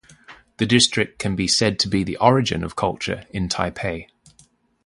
The district can be said to be the origin of culture in Taipei.